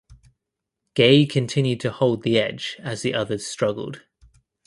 Gaye continue to hold the edge as the others struggled.